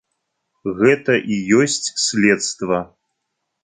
Гэта і ёсць следства.